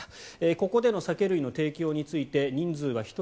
ここでの酒類の提供について人数は１人